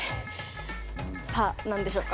さあ何でしょうか？